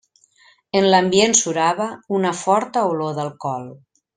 En l'ambient surava una forta olor d'alcohol.